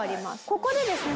ここでですね